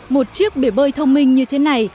một chiếc bể bơi thông minh như thế này